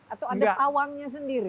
atau ada pawangnya sendiri